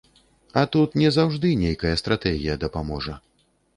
А тут не заўжды нейкая стратэгія дапаможа.